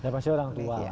pasti orang tua